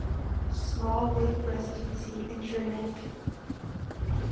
Small wood Residency in Drennec.